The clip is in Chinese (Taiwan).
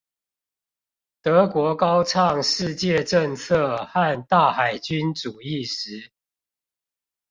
德國高唱世界政策和大海軍主義時